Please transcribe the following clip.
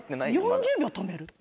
４０秒止める。